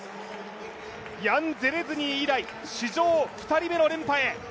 ヤン・ゼレズニー以来、史上２人目の連覇へ。